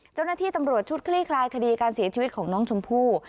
เจ้าหน้าที่ตำรวจชุดคลี่คลายคดีการเสียชีวิตของน้องชมพู่